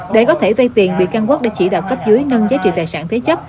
để có thể vây tiền bị can quốc đã chỉ đạo cấp dưới nâng giá trị tài sản thế chấp